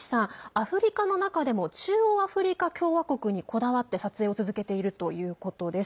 アフリカの中でも中央アフリカ共和国にこだわって撮影を続けているということです。